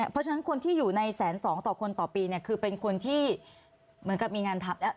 เพราะฉะนั้นคนที่อยู่ในแสนสองต่อคนต่อปีเนี่ยคือเป็นคนที่เหมือนกับมีงานทัพแล้ว